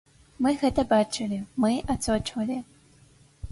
Мы гэта бачылі, мы адсочвалі.